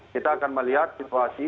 kita akan melihat situasi